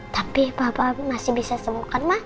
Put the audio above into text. tapi papa masih bisa sembuh kan ma